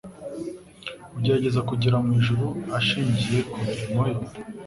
Ugerageza kugera mw’ijuru ashingiye ku mirimo ye